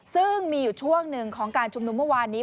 ซึ่งมีอยู่ช่วงหนึ่งของการชุมนุมเมื่อวานนี้